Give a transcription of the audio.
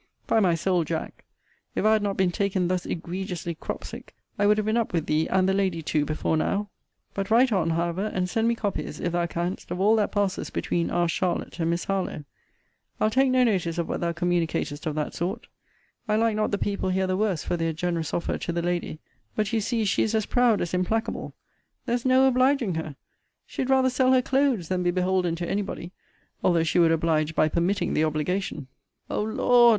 By my soul, Jack, if I had not been taken thus egregiously cropsick, I would have been up with thee, and the lady too, before now. * For what these gentlemen mean by the Roman style, see Vol. I. Letter XXXI. in the first note. But write on, however: and send me copies, if thou canst, of all that passes between our Charlotte and Miss Harlowe. I'll take no notice of what thou communicatest of that sort. I like not the people here the worse for their generous offer to the lady. But you see she is as proud as implacable. There's no obliging her. She'd rather sell her clothes than be beholden to any body, although she would oblige by permitting the obligation. O Lord!